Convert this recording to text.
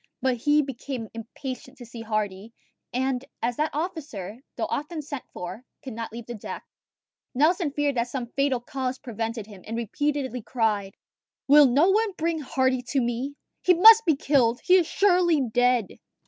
But he became impatient to see Hardy; and as that officer, though often sent for, could not leave the deck, Nelson feared that some fatal cause prevented him, and repeatedly cried, "Will no one bring Hardy to me? He must be killed! He is surely dead!"